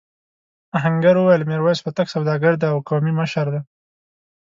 آهنګر وویل میرويس هوتک سوداګر دی او قومي مشر دی.